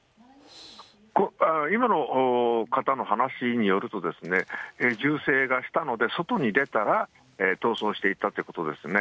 今の方の話によるとですね、銃声がしたので外に出たら、逃走していったということですね。